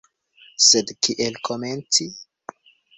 Sed kiel komenci?